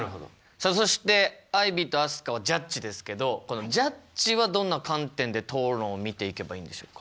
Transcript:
さあそしてアイビーと飛鳥はジャッジですけどこのジャッジはどんな観点で討論を見ていけばいいんでしょうか？